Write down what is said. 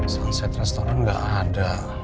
sunset restaurant gak ada